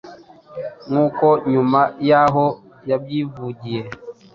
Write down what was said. nk’uko nyuma y’aho yabyivugiye,